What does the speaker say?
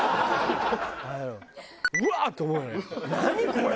これ！